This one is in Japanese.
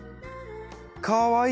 かわいい！